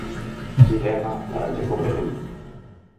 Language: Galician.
Dilema para Checo Pérez.